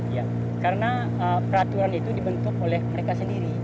ya karena peraturan itu dibentuk oleh mereka sendiri